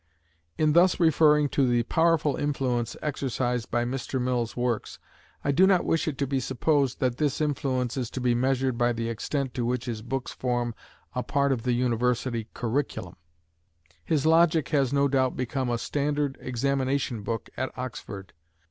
In thus referring to the powerful influence exercised by Mr. Mill's works, I do not wish it to be supposed that this influence is to be measured by the extent to which his books form a part of the university curriculum. His "Logic" has no doubt become a standard examination book at Oxford.